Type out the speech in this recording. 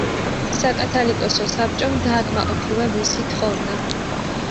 საკათოლიკოსო საბჭომ დააკმაყოფილა მისი თხოვნა.